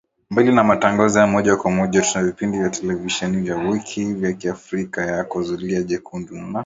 Mbali na matangazo ya moja kwa moja tuna vipindi vya televisheni vya kila wiki vya Afya Yako Zulia Jekundu na